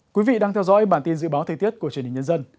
quý vị đang theo dõi bản tin dự báo thời tiết của truyền hình nhân dân